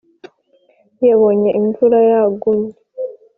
yabonye imvura yagumye,